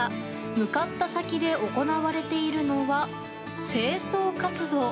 向かった先で行われているのは清掃活動。